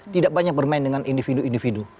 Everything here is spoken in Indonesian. tidak banyak bermain dengan individu individu